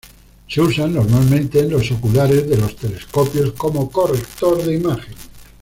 Se usa normalmente en los oculares de los telescopios como corrector de imagen.